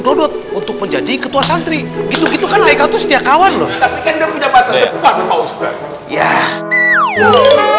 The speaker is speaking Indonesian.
dodot untuk menjadi ketua santri gitu gitu kan mereka tuh setiap kawan loh tapi kandung